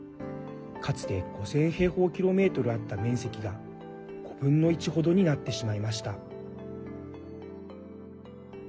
かつて５０００平方キロメートルあった面積が５分の１程になってしまいました。